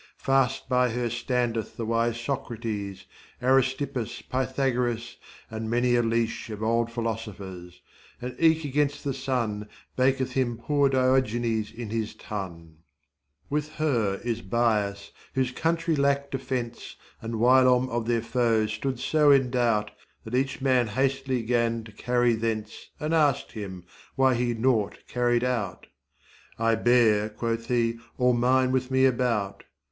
Fast by her standeth the wise Socrates, Aristippus, Pythagoras, and many a leash Of old philosophers. And eke against the sun Baketh him poor Diogenes in his tun.17 With her is Bias,18 whose country lack'd defence And whilom of their foes stood so in doubt That each man hastily 'gan to carry thence19 And asked him, why he nought carried out? I bear, quoth he, all mine with me about.